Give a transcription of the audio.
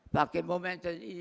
pakai momentum ini